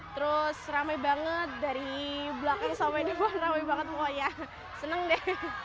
terus rame banget dari belakang sampai depan rame banget semuanya seneng deh